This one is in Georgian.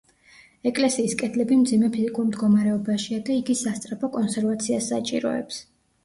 ეკლესიის კედლები მძიმე ფიზიკურ მდგომარეობაშია და იგი სასწრაფო კონსერვაციას საჭიროებს.